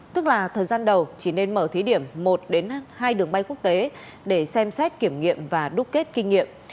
tức là thời gian đầu chỉ nên mở thí điểm một hai đường bay quốc tế để xem xét kiểm nghiệm và đúc kết kinh nghiệm